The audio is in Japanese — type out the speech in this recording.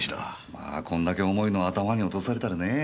まあこんだけ重いのを頭に落とされたらねぇ。